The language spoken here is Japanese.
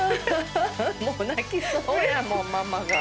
もう泣きそうやもんママが。